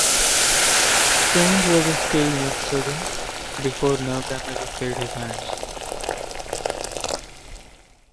Strange was a skilled neurosurgeon before nerve damage impaired his hands.